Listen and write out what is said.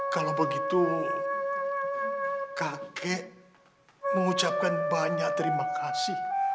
kalau begitu kakek mengucapkan banyak terima kasih